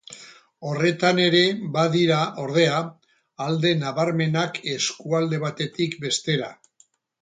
Horretan ere badira, ordea, alde nabarmenak eskualde batetik bestera.